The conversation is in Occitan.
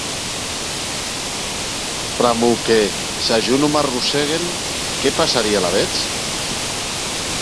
Pr'amor que, s'a jo non m'arrossèguen, qué passarie alavetz?